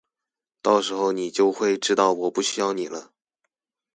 到時候妳就會知道我不需要妳了！